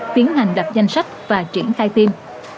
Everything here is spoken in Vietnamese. tiến hành đặt danh sách và triển khai tiêm